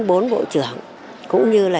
bốn bộ trưởng cũng như là